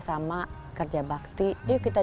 sama kerja bakti yuk kita